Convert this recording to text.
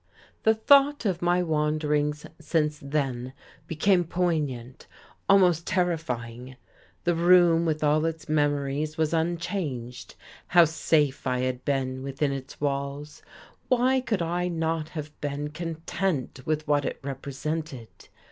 The thought of my wanderings since then became poignant, almost terrifying. The room, with all its memories, was unchanged. How safe I had been within its walls! Why could I not have been, content with what it represented?